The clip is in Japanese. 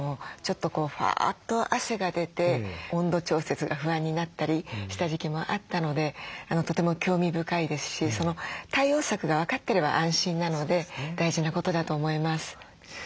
ちょっとこうファーッと汗が出て温度調節が不安になったりした時期もあったのでとても興味深いですしその対応策が分かってれば安心なので大事なことだと思います。